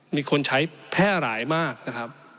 มีคนใช้แพร่หลายมากนะครับ